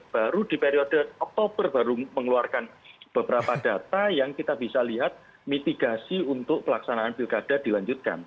baru di periode oktober baru mengeluarkan beberapa data yang kita bisa lihat mitigasi untuk pelaksanaan pilkada dilanjutkan